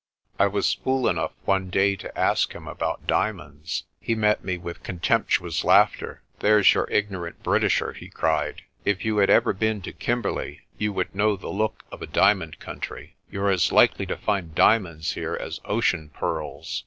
I was fool enough one day to ask him about diamonds. He met me with contemptuous laughter. "There's your ignorant Britisher," he cried. "If you had ever been to Kimberley you would know the look of a diamond country. You're as likely to find diamonds here as ocean pearls.